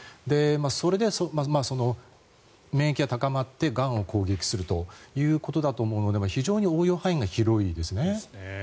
それで免疫が高まって、がんを攻撃するということだと思うので非常に応用範囲が広いですね。